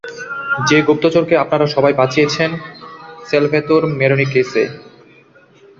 যে গুপ্তচরকে আপনারা সবাই বাঁচিয়েছেন, স্যালভ্যাতোর ম্যারোনি কেসে।